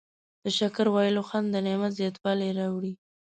د شکر ویلو خوند د نعمت زیاتوالی راوړي.